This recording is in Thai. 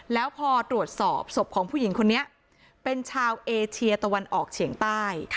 แล้วพอตรวจสอบศพของผู้หญิงคนนี้เป็นชาวเอเชียตะวันออกเฉียงใต้